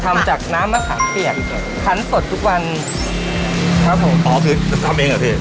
ทำจากน้ำมะขามเปียกคันสดทุกวันครับผมอ๋อคือทำเองเหรอพี่